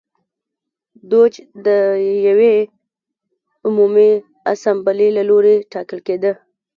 دوج د یوې عمومي اسامبلې له لوري ټاکل کېده.